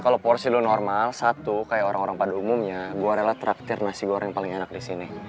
kalau porsi lo normal satu kayak orang orang pada umumnya gue rela traftir nasi goreng paling enak di sini